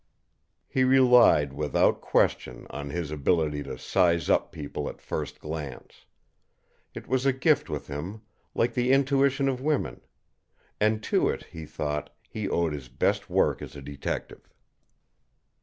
He relied, without question, on his ability to "size up" people at first glance. It was a gift with him, like the intuition of women; and to it, he thought, he owed his best work as a detective.